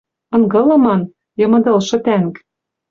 Ынгылыман, йымыдылшы тӓнг.